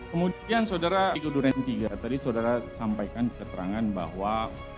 kemudian saudara iku durendiga tadi saudara sampaikan keterangan bahwa